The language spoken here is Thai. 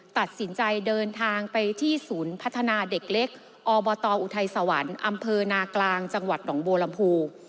ตัดสินใจเดินทางไปที่ศูนย์พัฒนาเด็กเล็กอบตอุทัยสวรรค์อำเภอนากลางจังหวัดหนองบัวลำพู